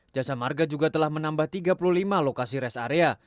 jasa marga juga telah menambah tiga puluh lima lokasi rest area